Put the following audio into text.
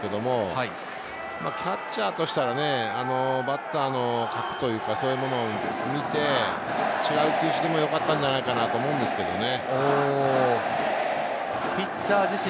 キャッチャーとしたら、バッターの格というか、そういうものを見て、違う球種でもよかったんじゃないかなと思うんですけどね。